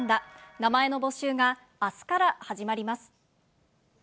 名前の募集があすから始まります。